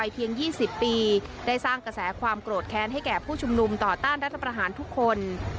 เพียง๒๐ปีได้สร้างกระแสความโกรธแค้นให้แก่ผู้ชุมนุมต่อต้านรัฐประหารทุกคน